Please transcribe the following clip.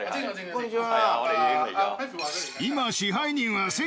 こんにちは。